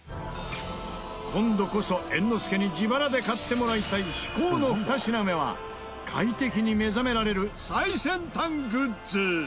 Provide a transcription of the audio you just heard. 今度こそ、猿之助に自腹で買ってもらいたい至高の２品目は快適に目覚められる最先端グッズ